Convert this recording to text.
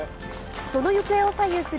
その行方を左右する